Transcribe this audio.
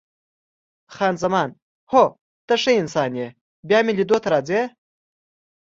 خان زمان: هو، ته ښه انسان یې، بیا مې لیدو ته راځې؟